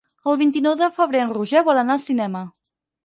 El vint-i-nou de febrer en Roger vol anar al cinema.